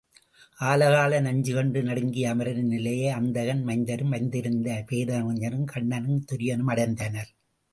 ஆலகால நஞ்சைக்கண்டு நடுங்கிய அமரரின் நிலையை அந்தகன் மைந்தரும் வந்திருந்த பேரறிஞரும், கண்ணனும் துரியனும் அடைந்தனர்.